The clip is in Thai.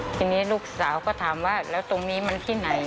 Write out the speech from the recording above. ทีนี้ลูกสาวก็ถามว่าแล้วตรงนี้มันที่ไหน